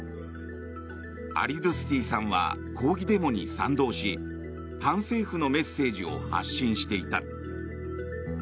アリドゥスティさんは抗議デモに賛同し反政府のメッセージを発信していた。